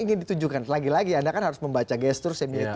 itu nanti kan jadi susah gitu